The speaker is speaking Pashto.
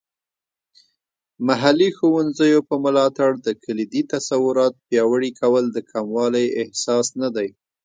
محلي ښوونځیو په ملاتړ د کلیدي تصورات پیاوړي کول د کموالی احساس نه دی.